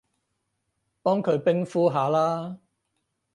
幫佢冰敷下啦